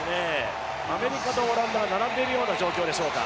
アメリカとオランダが並んでいるような状況でしょうか。